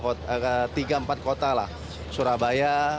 surabaya bali ujung pandang kuala namu mungkin ya